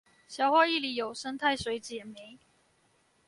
消化液裏有胜肽水解酶